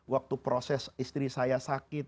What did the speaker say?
waktu proses istri saya sakit